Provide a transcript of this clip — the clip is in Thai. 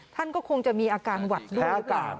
ท่านก็คงจะมีอาการหวัดด้วยหรือเปล่า